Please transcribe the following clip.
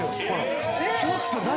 ちょっと何？